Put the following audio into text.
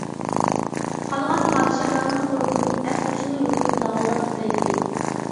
قالغان پادىشاھلارمۇ قورققىنىدىن ئەس-ھوشىنى يوقىتىپ لاغىلداپ تىترەيتتى.